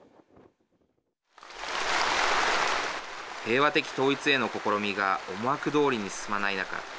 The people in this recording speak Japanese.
平和的統一への試みが思惑どおりに進まない中